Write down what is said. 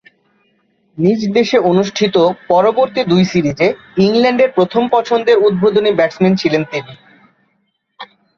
নিজদেশে অনুষ্ঠিত পরবর্তী দুই সিরিজে ইংল্যান্ডের প্রথম পছন্দের উদ্বোধনী ব্যাটসম্যান ছিলেন তিনি।